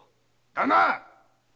旦那！